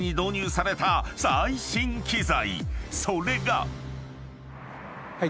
［それが］